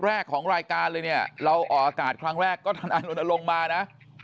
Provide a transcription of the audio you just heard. แรกของรายการเลยเนี่ยเราออกอากาศครั้งแรกก็ทนายนนลงมานะ